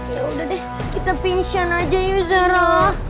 yaudah deh kita pingsan aja yuk zara